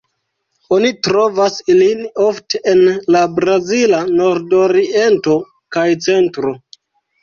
Oni trovas ilin ofte en la brazila nordoriento kaj centro.